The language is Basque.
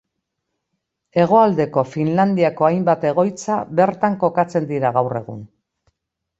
Hegoaldeko Finlandiako hainbat egoitza bertan kokatzen dira gaur egun.